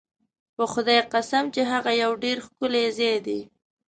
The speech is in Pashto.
په خدای قسم چې هغه یو ډېر ښکلی ځای دی.